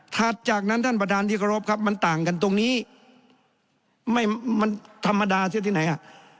ถัดจากนั้นท่านประธานที่เคารพครับมันต่างกันตรงนี้ไม่มันธรรมดาเสียที่ไหนอ่ะ